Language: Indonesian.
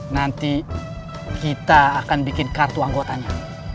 nanti kita akan bikin kartu anggotanya